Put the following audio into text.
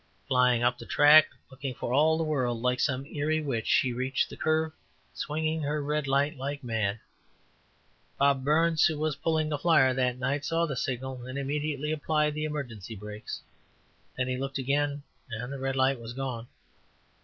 Flying up the track, looking for all the world like some eyrie witch, she reached the curve, swinging her red light like mad. Bob Burns, who was pulling the flyer that night, saw the signal, and immediately applied the emergency brakes. Then he looked again and the red light was gone.